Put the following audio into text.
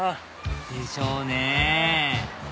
でしょうね